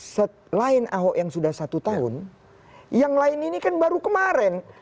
selain ahok yang sudah satu tahun yang lain ini kan baru kemarin